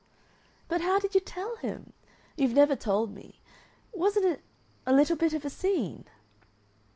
"But how did you tell him? You've never told me. Wasn't it a little bit of a scene?"